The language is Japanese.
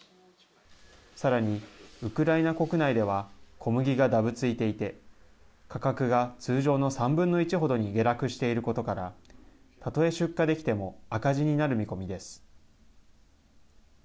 さらに、ウクライナ国内では小麦が、だぶついていて価格が通常の３分の１ほどに下落していることからたとえ出荷できても赤字になる見込みです。